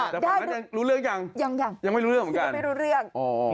ว่ายังไม่รู้เรื่องอย่างงั้น